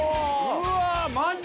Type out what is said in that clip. うわマジか。